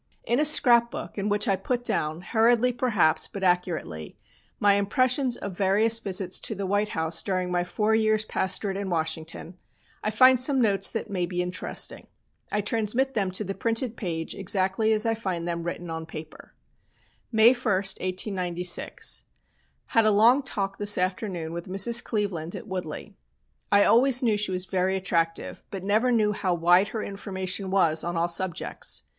In a scrap book in which I put down, hurriedly, perhaps, but accurately, my impressions of various visits to the White House during my four years pastorate in Washington, I find some notes that may be interesting. I transmit them to the printed page exactly as I find them written on paper: "May 1, 1896. Had a long talk this afternoon with Mrs. Cleveland at Woodley. I always knew she was very attractive, but never knew how wide her information was on all subjects.